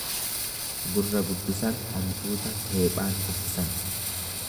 Gurra guddisan hantuuta teephaan kuffisan.